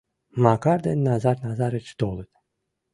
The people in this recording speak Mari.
Макар ден Назар Назарыч толыт.